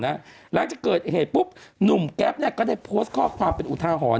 หลังจากเกิดเหตุปุ๊บหนุ่มแก๊ปก็ได้โพสต์ข้อความเป็นอุทาหรณ์